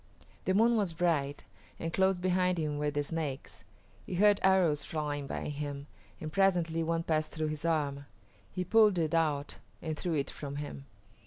The moon was bright, and close behind him were the Snakes. He heard arrows flying by him, and presently one passed through his arm. He pulled it out and threw it from him.